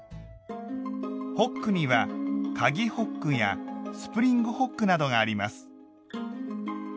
「ホック」には「かぎホック」や「スプリングホック」などがあります。